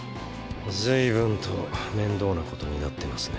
随分と面倒なことになってますね。